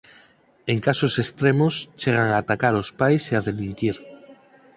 En casos extremos chegan a atacar os pais e a delinquir.